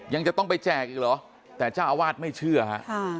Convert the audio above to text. ยังจะต้องไปแจกอีกเหรอแต่เจ้าอาวาสไม่เชื่อฮะ